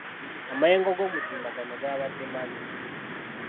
Amayengo g'omutimbagano gabadde mabi.